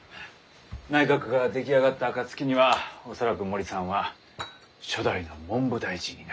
内閣が出来上がった暁には恐らく森さんは初代の文部大臣になる。